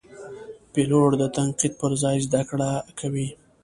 پیلوټ د تنقید پر ځای زده کړه کوي.